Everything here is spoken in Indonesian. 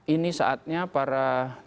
ini saatnya para